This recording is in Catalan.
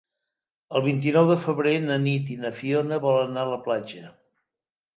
El vint-i-nou de febrer na Nit i na Fiona volen anar a la platja.